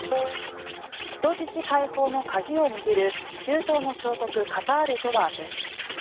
人質解放の鍵を握る中東の小国カタールとはです。